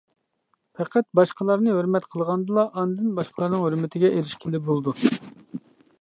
پەقەت باشقىلارنى ھۆرمەت قىلغاندىلا ئاندىن باشقىلارنىڭ ھۆرمىتىگە ئېرىشكىلى بولىدۇ.